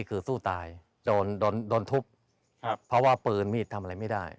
เพราะว่าปืนมีดทำไรไม่ได้